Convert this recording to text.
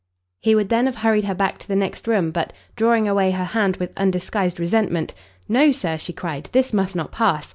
He would then have hurried her back to the next room; but, drawing away her hand with undisguised resentment, "No, Sir," she cried, "this must not pass!